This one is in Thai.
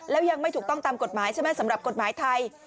แล้วยังไม่ถูกต้องตามกฎหมายใช่ไหมสำหรับกฎหมายไทย